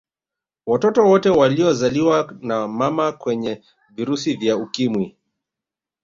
Watoto wote waliozaliwa na mama wenye virusi vya Ukimwi